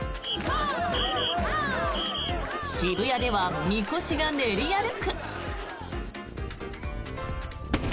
渋谷では、みこしが練り歩く。